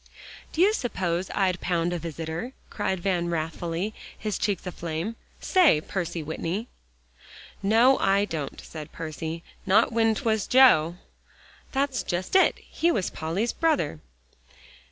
"Do you suppose I'd pound a visitor?" cried Van wrathfully, his cheeks aflame. "Say, Percy Whitney?" "No, I don't," said Percy, "not when 'twas Joe." "That's just it. He was Polly's brother."